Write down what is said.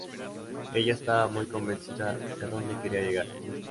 Ella estaba muy convencida de adonde quería llegar.